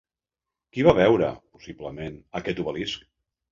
Qui va veure, possiblement, aquest obelisc?